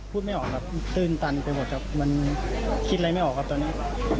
พูดไม่ออกตื่นตันไปหมดมันคิดอะไรไม่ออกครับตอนนี้